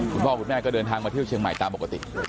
คุณพ่อคุณแม่ก็เดินทางมาเที่ยวเชียงใหม่ตามปกติ